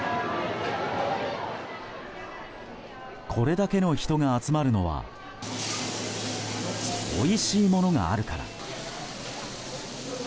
これだけの人が集まるのはおいしいものがあるから。